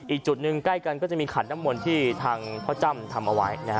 อีกจุดหนึ่งใกล้กันก็จะมีขันน้ำมนต์ที่ทางพ่อจ้ำทำเอาไว้นะฮะ